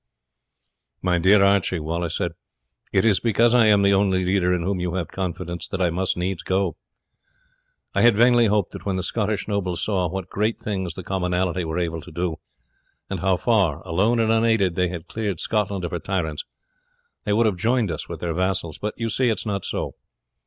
"My dear Archie," Wallace said, "it is because I am the only leader in whom you have confidence that I must needs go. I had vainly hoped that when the Scottish nobles saw what great things the commonalty were able to do, and how far, alone and unaided, they had cleared Scotland of her tyrants, they would have joined us with their vassals; but you see it is not so.